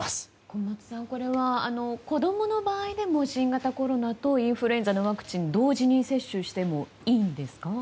小松さん、これは子供の場合でも新型コロナとインフルエンザのワクチン同時に接種してもいいんですか？